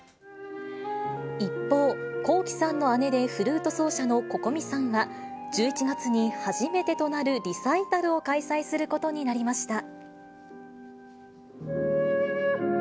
一方、Ｋｏｋｉ，さんの姉で、フルート奏者のＣｏｃｏｍｉさんは、１１月に初めてとなるリサイタルを開催することになりました。